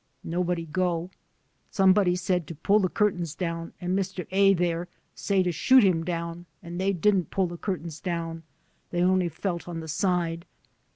Nobody go. Somebody said to pull the curtains down and Mr. A. there say to shoot him down and they didn't pull the curtains down. They only felt on the side.